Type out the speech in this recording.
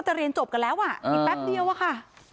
เรียนจบกันแล้วอ่ะอีกแป๊บเดียวอะค่ะ